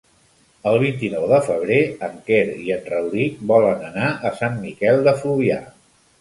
El vint-i-nou de febrer en Quer i en Rauric volen anar a Sant Miquel de Fluvià.